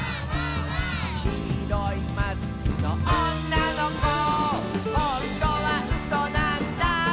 「きいろいマスクのおんなのこ」「ほんとはうそなんだ」